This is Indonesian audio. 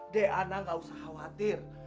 deana gak usah khawatir